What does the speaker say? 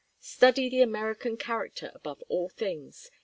Study the American character above all things.